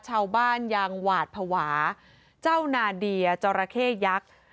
เจ้าบ้านยางหวาดผวาเจ้านาเดียเจ้าระเข้ยักษ์